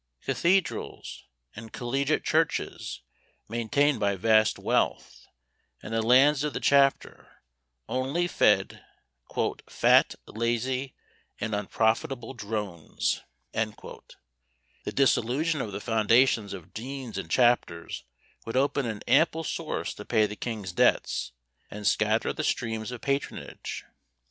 Cathedrals and collegiate churches maintained by vast wealth, and the lands of the chapter, only fed "fat, lazy, and unprofitable drones." The dissolution of the foundations of deans and chapters would open an ample source to pay the king's debts, and scatter the streams of patronage.